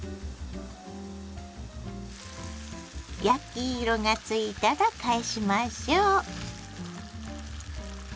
焼き色がついたら返しましょう。